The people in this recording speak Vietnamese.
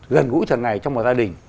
gần gũi thần này trong một gia đình